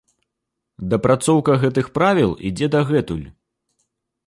Дапрацоўка гэтых правіл ідзе дагэтуль.